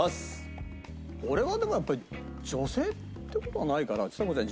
俺はでもやっぱり女性って事はないからちさ子ちゃん